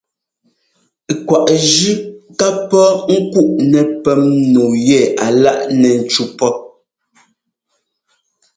Kwaꞌ jʉ́ ká pɔ́ ŋ́kuꞌ nɛpɛ́m nu yɛ a láꞌ nɛ ńcú pɔ́.